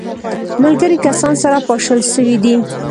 ملګري کسان سره پاشل سوي دي.